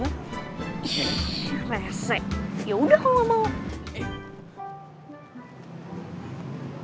resek yaudah kalo mau